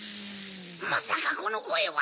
まさかこのこえは！